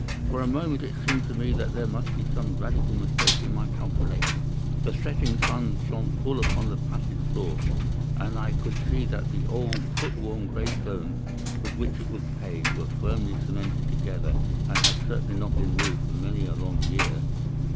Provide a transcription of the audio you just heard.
For a moment it seemed to me that there must be some radical mistake in my calculations. The setting sun shone full upon the passage floor, and I could see that the old, foot worn grey stones with which it was paved were firmly cemented together, and had certainly not been moved for many a long year.